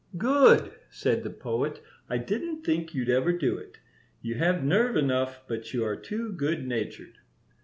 "Good!" said the Poet. "I didn't think you'd ever do it. You have nerve enough, but you are too good natured."